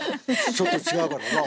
ちょっと違うからな。